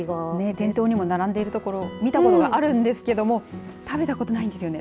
店頭にも並んでいるところ見たことがあるんですけど食べたことがないんですよね。